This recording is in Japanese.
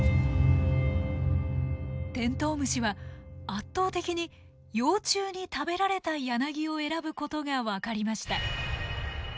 テントウムシは圧倒的に幼虫に食べられたヤナギを選ぶことが分かりました。